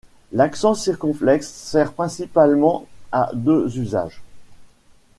L’accent circonflexe sert principalement à deux usages.